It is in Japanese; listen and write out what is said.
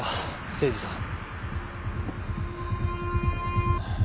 誠司さん。